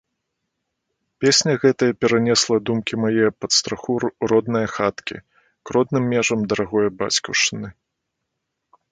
Песня гэтая перанесла думкі мае пад страху роднае хаткі, к родным межам дарагое бацькаўшчыны.